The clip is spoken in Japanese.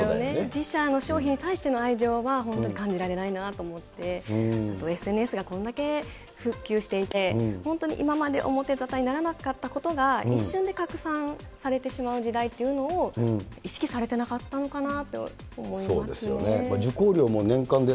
自社の商品に対しての愛情は本当感じられないなと思って、ＳＮＳがこんだけ普及してして、本当に今まで表ざたにならなかったことが、一瞬で拡散されてしまう時代というのを意識されてなかったのかな